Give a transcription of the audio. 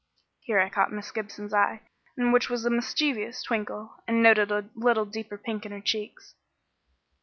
Here I caught Miss Gibson's eye, in which was a mischievous twinkle, and noted a little deeper pink in her cheeks.